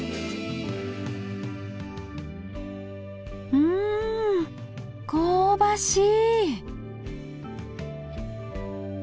うん香ばしい。